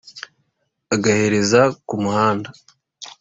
agahereza Kamuhanda.